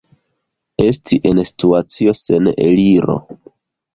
Esti en situacio sen eliro.